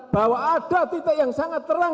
bahwa ada titik yang sangat terang